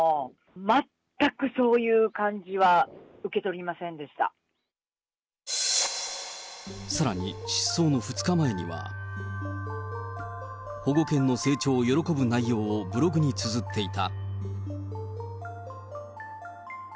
全くそういう感じは、受け取りまさらに失踪の２日前には、保護犬の成長を喜ぶ内容をブログにつづっていた。